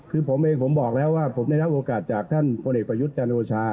คือผมเองผมบอกแล้วว่าผมได้รับโอกาสจากท่านพลเอกประยุทธ์จันโอชา